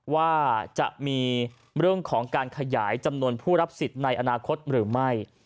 ว่าจะมีเรื่องของการขยายจำนวนผู้รับสิทธิ์ในอนาคตหรือไม่